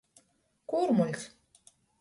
Kūrmuļs.